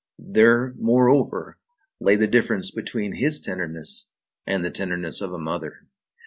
There, moreover, lay the difference between his tenderness and the tenderness of a mother.